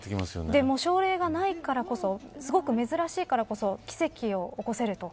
でも、症例がないからこそすごく珍しいからこそ奇跡を起こせると。